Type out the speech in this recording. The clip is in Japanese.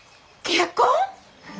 結婚！？